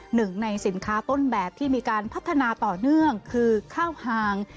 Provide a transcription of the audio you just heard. หนึ่งในสินค้าต้นแบบที่มีการพัฒนาต่อเนื่องคือข้าวหาง